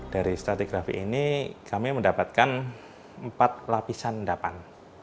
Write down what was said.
dari statikgrafi ini kami mendapatkan empat lapisan endapan